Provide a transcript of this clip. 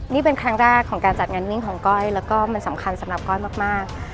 นี่เป็นครั้งแรกของการจัดงานวิ่งของก้อยแล้วก็มันสำคัญสำหรับก้อยมาก